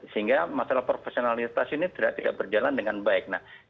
sehingga masalah profesionalitas ini tidak berjalan dengan baik